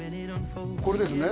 これですね